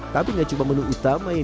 tapi gak cuma menu utama yang